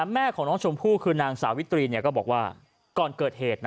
แม่ของน้องชมพู่คือนางสาวิตรีก็บอกว่าก่อนเกิดเหตุ